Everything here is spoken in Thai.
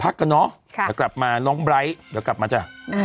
พักกันเนาะแล้วกลับมาน้องไบร์ตเดี๋ยวกลับมาจ้ะ